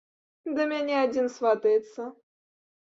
Да мяне адзін сватаецца.